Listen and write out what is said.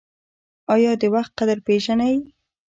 ایا د وخت قدر پیژنئ؟